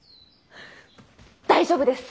大丈夫です。